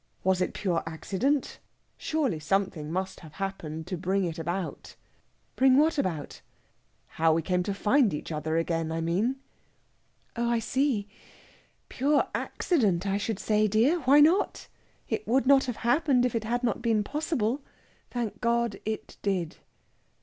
Was it pure accident? Surely something must have happened to bring it about." "Bring what about?" "How came we to find each other again, I mean?" "Oh, I see! Pure accident, I should say, dear! Why not? It would not have happened if it had not been possible. Thank God it did!"